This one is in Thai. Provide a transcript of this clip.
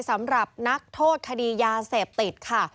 สำหรับนักโทษคดียาเสพติดค่ะ